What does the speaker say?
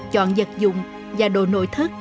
chọn vật dụng và đồ nội thất